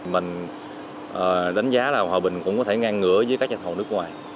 mình đánh giá là hòa bình cũng có thể ngang ngửa với các nhà thầu nước ngoài